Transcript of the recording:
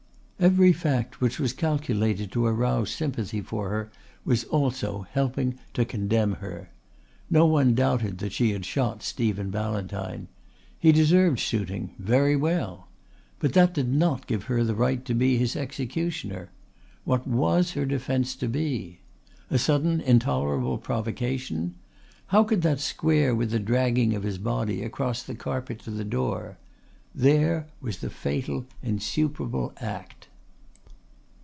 Every fact which was calculated to arouse sympathy for her was also helping to condemn her. No one doubted that she had shot Stephen Ballantyne. He deserved shooting very well. But that did not give her the right to be his executioner. What was her defence to be? A sudden intolerable provocation? How would that square with the dragging of his body across the carpet to the door? There was the fatal insuperable act.